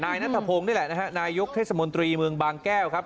นายนัทพงศ์นี่แหละนะฮะนายกเทศมนตรีเมืองบางแก้วครับ